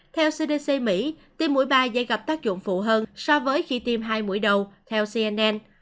theo cdc mỹ tiêm mũi ba dây gặp tác dụng phụ hơn so với khi tiêm hai mũi đầu theo cnn